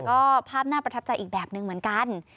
ก็ภาพน่าประทับใจอีกแบบหนึ่งเหมือนกัน